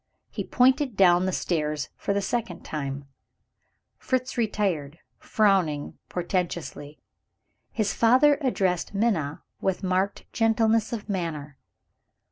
He pointed down the stairs for the second time. Fritz retired, frowning portentously. His father addressed Minna with marked gentleness of manner.